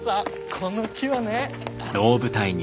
この木はね。